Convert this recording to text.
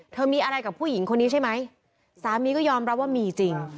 มีอะไรกับผู้หญิงคนนี้ใช่ไหมสามีก็ยอมรับว่ามีจริง